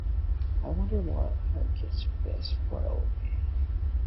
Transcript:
I wonder what her kid’s first word’ll be.